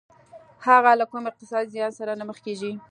هغه له کوم اقتصادي زيان سره نه مخ کېږي.